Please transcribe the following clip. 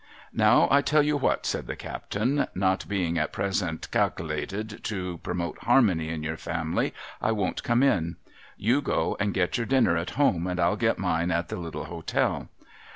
' Now I tell you what,' said the captain. ' Not being at present calc'lated to promote harmony in your family, I won't come in. You go and get your dinner at home, and I'll get mine at the little hotel.